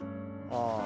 ああ。